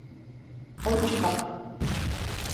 Ончыкак.